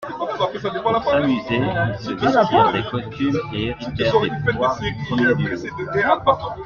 Pour s'amuser, ils se vêtirent des costumes et héritèrent des pouvoirs du premier duo.